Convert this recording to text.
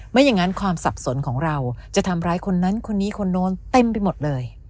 ไม่อย่างนั้นความสับสนของเราจะทำร้ายคนนั้นคนนี้คนโน้นเต็มไปหมดเลย